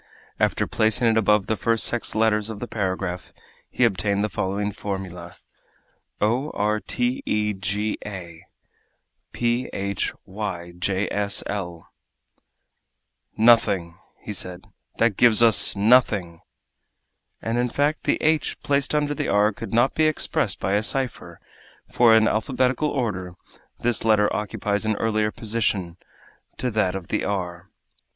After placing it above the first six letters of the paragraph he obtained the following formula: O r t e g a P h y j s l "Nothing!" he said. "That gives us nothing!" And in fact the h placed under the r could not be expressed by a cipher, for, in alphabetical order, this letter occupies an earlier position to that of the _r.